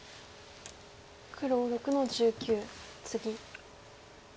黒６の十九ツギ。